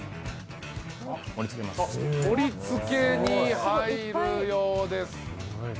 盛り付けに入るようです。